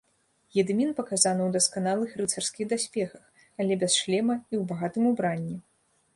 Гедымін паказаны ў дасканалых рыцарскіх даспехах, але без шлема і ў багатым убранні.